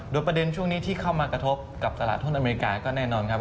โดยประเด็นช่วงนี้ที่เข้ามากระทบกับตลาดทุนอเมริกาก็แน่นอนครับ